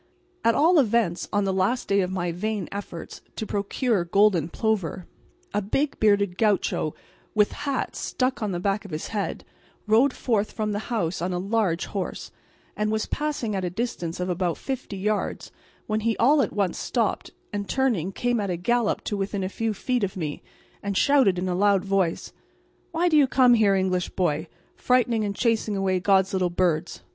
At all events on the last day of my vain efforts to procure golden plover, a big, bearded gaucho, with hat stuck on the back of his head, rode forth from the house on a large horse, and was passing at a distance of about fifty yards when he all at once stopped, and turning came at a gallop to within a few feet of me and shouted in a loud voice: "Why do you come here, English boy, frightening and chasing away God's little birds?